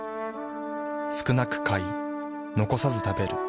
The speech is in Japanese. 少なく買い残さず食べる。